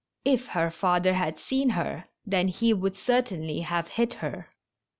If her father had seen her then he would certainly have hit her.